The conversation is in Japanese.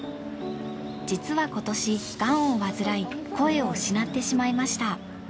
実は今年ガンを患い声を失ってしまいました。